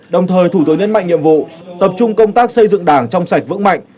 đồng thời thủ tướng nhấn mạnh nhiệm vụ tập trung công tác xây dựng đảng trong sạch vững mạnh